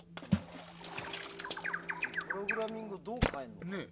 プログラミングをどう変えるのか。